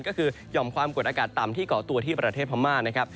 ก็คือหย่อมความกดอากาศต่ำที่เกาะตัวที่ประเทศพม่านะครับ